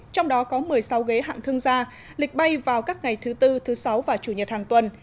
trong đó có một mươi sáu ghế hạng thương gia lịch bay vào các ngày thứ tư thứ sáu và chủ nhật hàng tuần